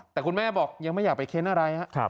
แต่คุณแม่บอกยังไม่อยากไปเค้นอะไรครับ